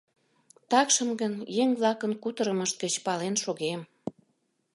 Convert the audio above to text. Такшым гын еҥ-влакын кутырымышт гыч пален шогем.